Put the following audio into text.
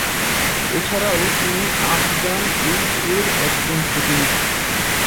এছাড়াও তিনি Afghan aid এর একজন প্রতিনিধি।